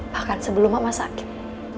bahkan sebelum mama sakit